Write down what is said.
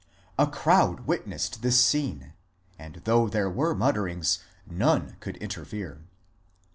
A crowd witnessed this scene, and though there were mutterings none could inter fere.